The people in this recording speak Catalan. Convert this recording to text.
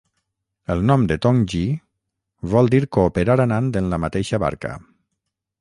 El nom de Tongji vol dir cooperar anant en la mateixa barca.